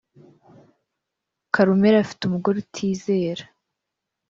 Karumeri afite umugore utizera